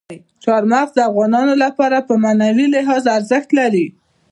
چار مغز د افغانانو لپاره په معنوي لحاظ ارزښت لري.